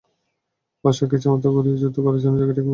অশ্বকে ইচ্ছামত ঘুরিয়ে যুদ্ধ করার জন্য জায়গাটি মোটেও উপযুক্ত ছিল না।